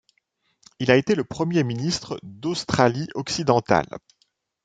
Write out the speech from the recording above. Il a été le premier ministre d'Australie-Occidentale.